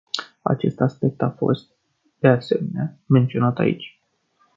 Acest aspect a fost, de asemenea, menționat aici.